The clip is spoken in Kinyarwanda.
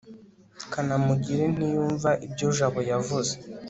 kanamugire ntiyumva ibyo jabo yavuze